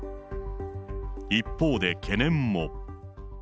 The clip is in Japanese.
一方で懸念も。